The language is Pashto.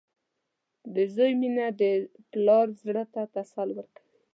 • د زوی مینه د پلار زړۀ ته تسل ورکوي.